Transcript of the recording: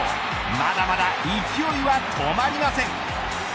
まだまだ勢いは止まりません。